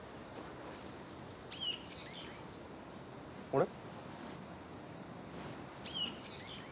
あれ？